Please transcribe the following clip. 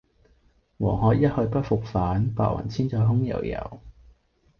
黃鶴一去不復返，白云千載空悠悠。